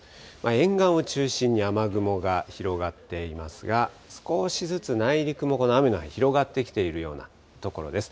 沿岸を中心に雨雲が広がっていますが、少しずつ内陸も、この雨の範囲広がってきているようなところです。